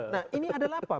nah ini adalah apa